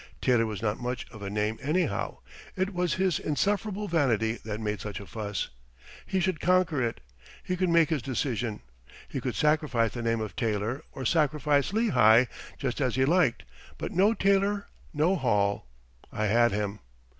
Taylor was not much of a name anyhow. It was his insufferable vanity that made such a fuss. He should conquer it. He could make his decision. He could sacrifice the name of Taylor or sacrifice Lehigh, just as he liked, but: "No Taylor, no Hall." I had him!